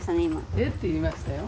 えっ！って言いましたよ。